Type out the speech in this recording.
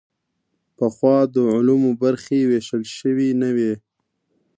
پخوا د علومو برخې ویشل شوې نه وې.